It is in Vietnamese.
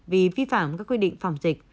vì vi phạm các quy định phòng dịch